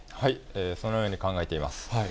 そのように考えています。